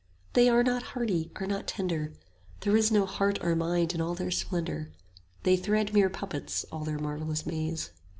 they are not haughty, are not tender; There is no heart or mind in all their splendour, 20 They thread mere puppets all their marvellous maze.